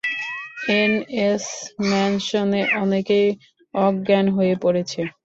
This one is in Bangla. এনএস ম্যানশনে অনেকেই অজ্ঞান হয়ে পড়েছে।